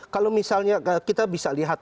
kalau misalnya kita bisa lihat